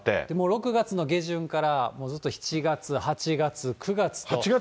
６月の下旬から、もうずっと７月、８月、９月と。